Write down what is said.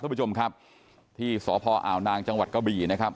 ท่านผู้ชมครับที่สออาวนางจังหวัดเกาบีนะครับ